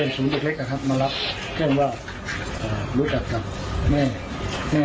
ครับเล็กเล็กเล็กมารับแค่นว่าอ่ารู้จัดการแม่เม่